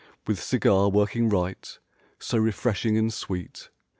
With cigar working right, so refreshing and sweet.